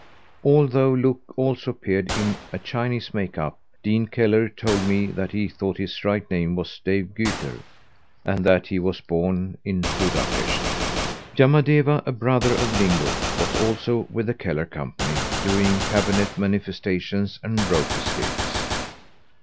Although Look always appeared in a Chinese make up, Dean Kellar told me that he thought his right name was Dave Gueter, and that he was born in Buda Pesth. Yamadeva, a brother of Ling Look, was also with the Kellar Company, doing cabinet manifestations and rope escapes.